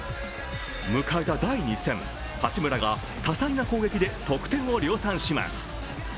迎えた第２戦、八村が多彩な攻撃で得点を量産します。